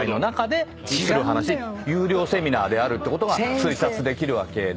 有料セミナーであるってことが推察できるわけで。